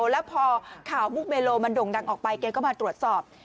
แล้วพอข่าวมุกเมโลมันโด่งดังออกไปแกก็มาตรวจสอบ